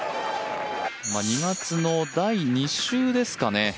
２月の第２週ですかね